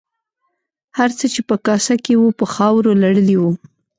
هر څه چې په کاسه کې وو په خاورو لړلي وو.